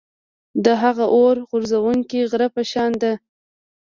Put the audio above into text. د هغه اور غورځوونکي غره په شان ده.